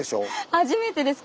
初めてです。